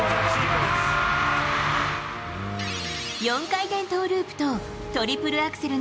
４回転トーループ、トリプルアクセル。